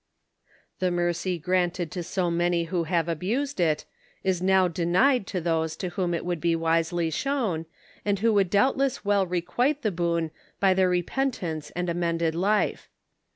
The mercy granted to so many who have abused it, is now denied to those to whom it would be wisely shown, and who would doubtless well requite the boon by their re pentance and amended life.